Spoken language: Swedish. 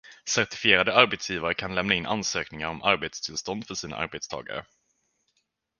Certifierade arbetsgivare kan lämna in ansökningar om arbetstillstånd för sina arbetstagare.